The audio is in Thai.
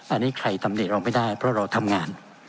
อันนี้ใครตำหนิเราไม่ได้เพราะเราทำงาน